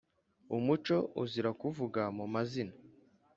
umuco uzira kuvuga mu mazina.